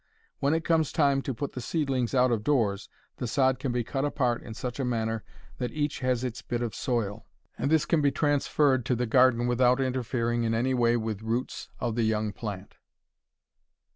When it comes time to put the seedlings out of doors the sod can be cut apart in such a manner that each has its bit of soil, and this can be transferred to the garden without interfering in any way with the roots of the young plant.